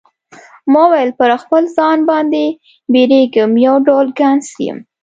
ما وویل پر خپل ځان باندی بیریږم یو ډول ګنګس یم.